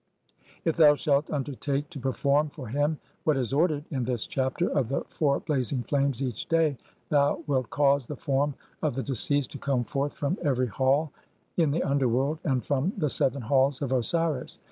IF THOU SHALT UNDERTAKE TO PERFORM FOR HIM [WHAT IS ORDERED] IN THIS "CHAPTER OF THE FOUR BLAZING FLAMES" EACH [DAY?], (33) THOU WILT CAUSE THE FORM OF THE DECEASED TO COME FORTH FROM EVERY HALL [IN THE UNDERWORLD] AND FROM THE SEVEN HALLS OF OSIRIS.